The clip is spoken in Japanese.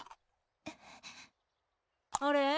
あれ？